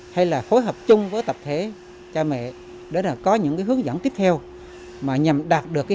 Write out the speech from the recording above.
hay là phối hợp chung với tập thể cha mẹ để là có những cái hướng dẫn tiếp theo mà nhằm đạt được cái